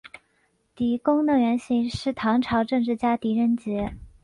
狄公的原型是唐朝政治家狄仁杰。